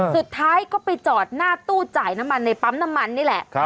สุดท้ายก็ไปจอดหน้าตู้จ่ายน้ำมันในปั๊มน้ำมันนี่แหละ